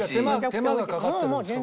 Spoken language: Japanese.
手間がかかってるんですか？